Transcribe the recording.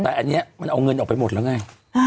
แต่อันนี้มันเอาเงินออกไปหมดแล้วไง